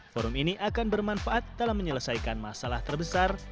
forum ini akan bermanfaat dalam menyelesaikan masalah terbesar